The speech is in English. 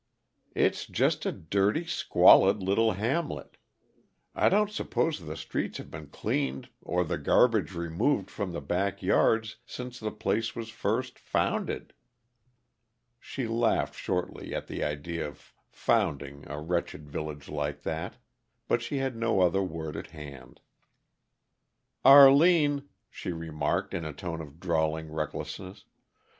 "It's just a dirty, squalid little hamlet. I don't suppose the streets have been cleaned or the garbage removed from the back yards since the place was first founded." She laughed shortly at the idea of "founding" a wretched village like that, but she had no other word at hand. "Arline," she remarked, in a tone of drawling recklessness.